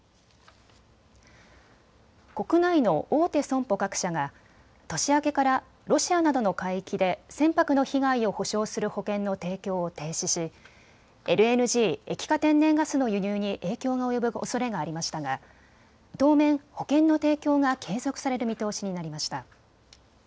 国内の大手損保各社が年明けからロシアなどの海域で船舶の被害を補償する保険の提供を停止しＬＮＧ・液化天然ガスの輸入に影響が及ぶおそれがありましたが当面、保険の提供が継続される見通しになりました。